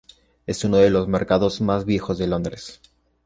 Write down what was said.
Es uno de los mercados más viejos de Londres.